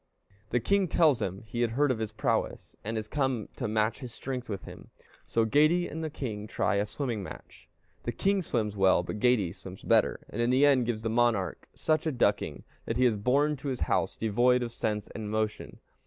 The king tells him he has heard of his prowess, and is come to match his strength with him. So Geyti and the king try a swimming match. The king swims well; but Geyti swims better, and in the end gives the monarch such a ducking, that he is borne to his house devoid of sense and motion.